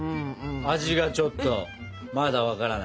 味がちょっとまだ分からない。